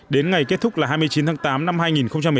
đến ngày kết thúc là hai mươi chín tháng tám năm hai nghìn một mươi chín